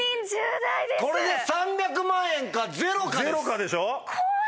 これで３００万円かゼロかです！